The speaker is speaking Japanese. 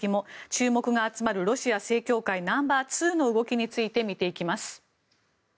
注目が集まるロシア正教会ナンバーツーの動きについて見ていきます。